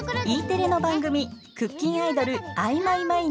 Ｅテレの番組「クッキンアイドルアイ！